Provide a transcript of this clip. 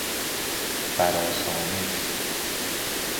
برآشامش